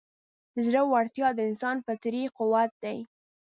زړهورتیا د انسان فطري قوت دی.